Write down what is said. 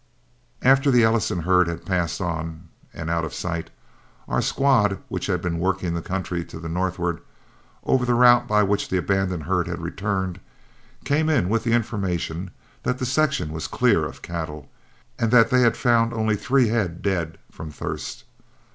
After the Ellison herd had passed on and out of sight, our squad which had been working the country to the northward, over the route by which the abandoned herd had returned, came in with the information that that section was clear of cattle, and that they had only found three head dead from thirst.